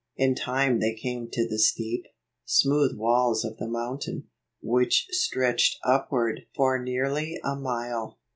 In time they came to the steep, smooth walls of the mountain, which stretched upward for nearly a mile.